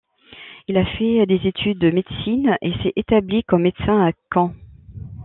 Il a fait des études de médecine et s'est établi comme médecin à Caen.